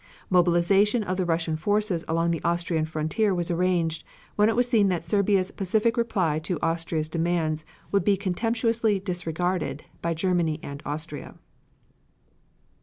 Mobilization of the Russian forces along the Austrian frontier was arranged, when it was seen that Serbia's pacific reply to Austria's demands would be contemptuously disregarded by Germany and Austria.